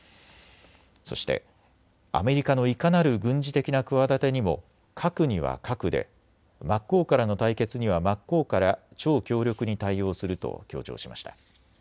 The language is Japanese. そしてアメリカのいかなる軍事的な企てにも核には核で、真っ向からの対決には真っ向から超強力に対応すると強調しました。